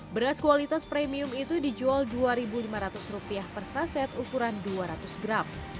beras kualitas premium itu dijual rp dua lima ratus per saset ukuran dua ratus gram